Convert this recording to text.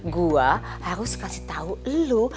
gua harus kasih tau lu